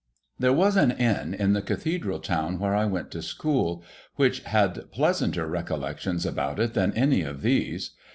There was an Inn in the cathedral tow^n where I went to school, which had pleasanter recollections about it than any of these.